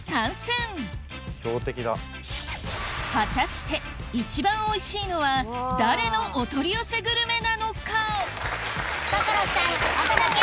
果たして一番おいしいのは誰のお取り寄せグルメなのか？